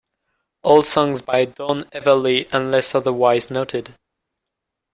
All songs by Don Everly unless otherwise noted.